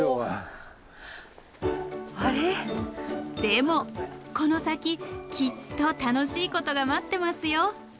でもこの先きっと楽しいことが待ってますよ。